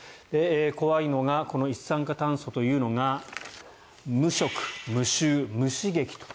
怖いのがこの一酸化炭素というのが無色、無臭、無刺激と。